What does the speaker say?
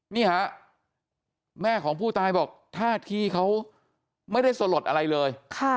นี่ฮะแม่ของผู้ตายบอกท่าที่เขาไม่ได้สลดอะไรเลย